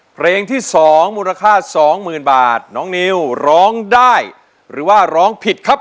เพลงที่๒มูลค่าสองหมื่นบาทน้องนิวร้องได้หรือว่าร้องผิดครับ